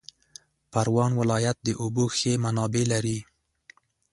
پروان ولایت د اوبو ښې منابع لري